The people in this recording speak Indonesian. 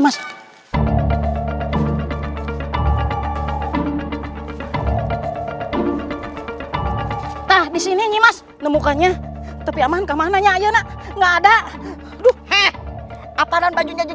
mas tak disini mas nemukanya tapi aman ke mananya ya enak enggak ada eh apalagi juga